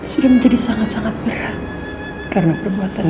sudah menjadi sangat sangat berat karena perbuatan elsa